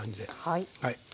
はい。